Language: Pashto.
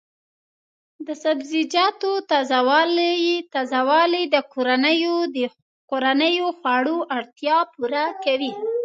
د سبزیجاتو تازه والي د کورنیو خوړو اړتیا پوره کوي.